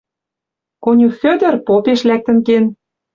Конюх Хӧдӧр попеш лӓктӹн кен.